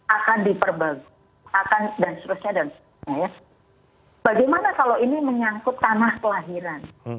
akan diperbagi dan seterusnya bagaimana kalau ini menyangkut tanah kelahiran